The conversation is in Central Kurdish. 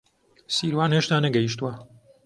سیروان هێشتا نەگەیشتووە.